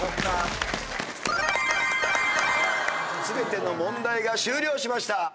全ての問題が終了しました。